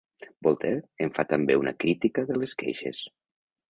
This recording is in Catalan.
Voltaire en fa també una crítica de les queixes.